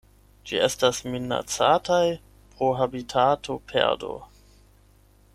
Ĝi estas minacataj pro habitatoperdo.